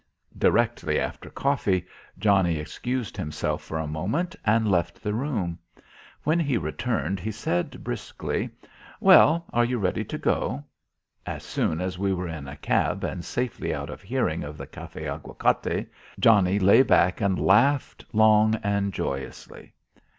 Directly after coffee, Johnnie excused himself for a moment and left the room. When he returned he said briskly, "Well, are you ready to go?" As soon as we were in a cab and safely out of hearing of the Café Aguacate, Johnnie lay back and laughed long and joyously.